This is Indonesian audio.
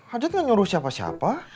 ajat gak nyuruh siapa siapa